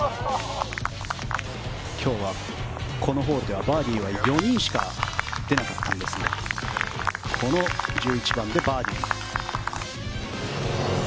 今日はこのホールではバーディーは４人しか出なかったんですがこの１１番でバーディー。